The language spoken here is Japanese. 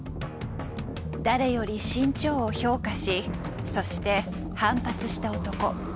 誰より志ん朝を評価しそして反発した男。